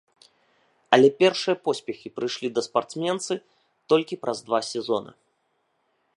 Але першыя поспехі прыйшлі да спартсменцы толькі праз два сезона.